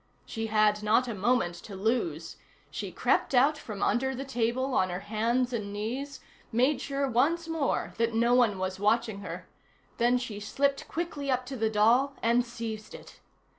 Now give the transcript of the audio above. She had not a moment to lose; she crept out from under the table on her hands and knees, made sure once more that no one was watching her; then she slipped quickly up to the doll and seized it.